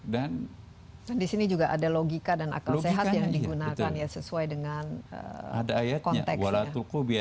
dan disini juga ada logika dan akal sehat yang digunakan ya sesuai dengan konteksnya